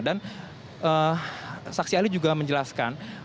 dan saksi ahli juga menjelaskan